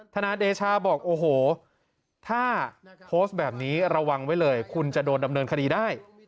ทนายเดชาบอกโอ้โหถ้าโพสต์แบบนี้ระวังไว้เลยคุณจะโดนดำเนินคดีได้